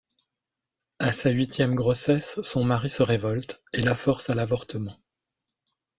À sa huitième grossesse, son mari se révolte et la force à l’avortement.